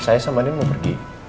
saya sama ini mau pergi